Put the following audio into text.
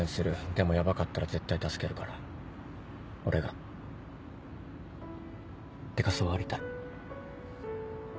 でもヤバかったら絶対助けるから俺が。ってかそうありたい。